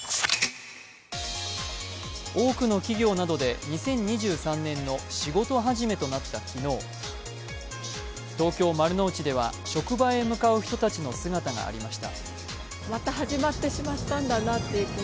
多くの企業などで２０２３年の仕事始めとなった昨日、東京・丸の内では職場へ向かう人たちの姿がありました。